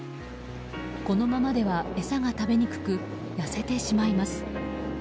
このままでは餌が食べにくく痩せてしまいます。